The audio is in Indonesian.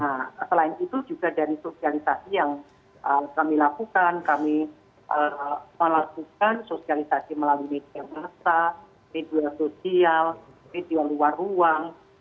nah selain itu juga dari sosialisasi yang kami lakukan kami melakukan sosialisasi melalui media massa media sosial media luar ruang